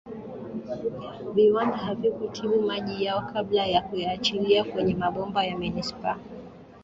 Viwanda havikutibu maji yao kabla ya kuyaachilia kwenye mabomba ya Manisipaa